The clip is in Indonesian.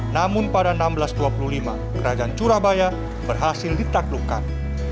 namun pada seribu enam ratus dua puluh lima kerajaan curabaya berhasil ditaklukkan